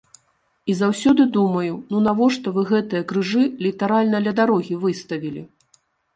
І заўсёды думаю, ну навошта вы гэтыя крыжы літаральна ля дарогі выставілі?